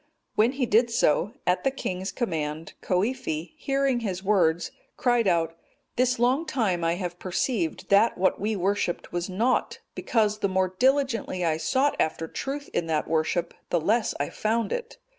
When he did so, at the king's command, Coifi, hearing his words, cried out, "This long time I have perceived that what we worshipped was naught; because the more diligently I sought after truth in that worship, the less I found it.